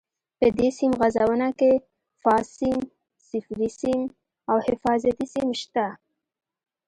په دې سیم غځونه کې فاز سیم، صفري سیم او حفاظتي سیم شته.